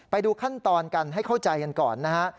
ไปดูขั้นตอนกันให้เข้าใจกันก่อนนะฮะ